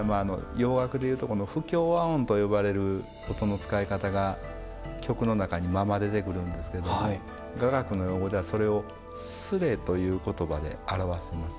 洋楽で言うとこの「不協和音」と呼ばれる音の使い方が曲の中にまま出てくるんですけども雅楽の用語ではそれを「スレ」という言葉で表します。